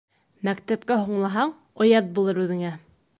Мәктәпкә һуңлаһаң, оят булыр үҙеңә.